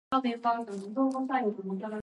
Туеп җитә алмадым әле.